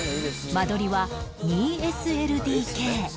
間取りは ２ＳＬＤＫ